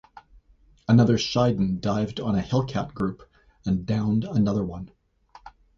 Another "Shiden" dived on a Hellcat group and downed another one.